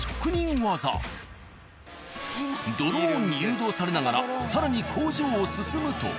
ドローンに誘導されながら更に工場を進むと。